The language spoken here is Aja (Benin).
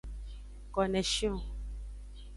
Koneshion.